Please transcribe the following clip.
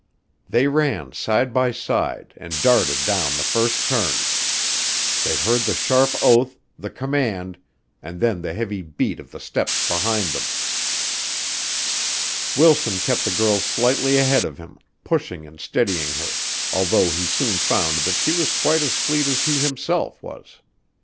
They ran side by side and darted down the first turn. They heard the sharp oath, the command, and then the heavy beat of the steps behind them. Wilson kept the girl slightly ahead of him, pushing and steadying her, although he soon found that she was quite as fleet as he himself was.